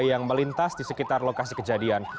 yang melintas di sekitar lokasi kejadian